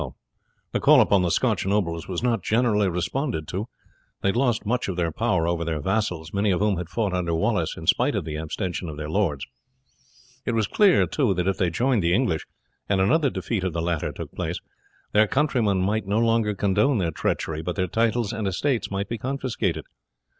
The call upon the Scotch nobles was not generally responded to. They had lost much of their power over their vassals, many of whom had fought under Wallace in spite of the abstention of their lords. It was clear, too, that if they joined the English, and another defeat of the latter took place, their countrymen might no longer condone their treachery, but their titles and estates might be confiscated.